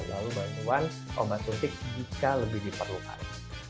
lalu bantuan obat suntik jika lebih diperlukan